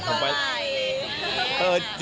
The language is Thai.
จู๊บไกร